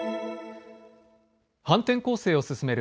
反転攻勢を進める